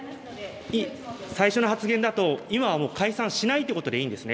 最初の発言だと今はもう解散しないということでいいんですね。